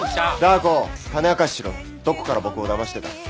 どこから僕をだましてた？